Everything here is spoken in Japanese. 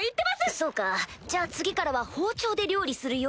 そうかじゃあ次からは包丁で料理するように。